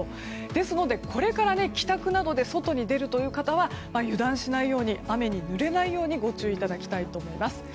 ですので、これから帰宅などで外に出るという方は油断しないように雨にぬれないようにご注意いただきたいと思います。